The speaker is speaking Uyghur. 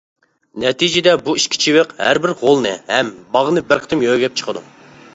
نەتىجىدە بۇ ئىككى چىۋىق ھەر بىر غولنى ھەم باغنى بىر قېتىم يۆگەپ چىقىدۇ.